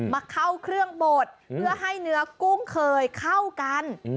มาเข้าเครื่องบดเพื่อให้เนื้อกุ้งเคยเข้ากัน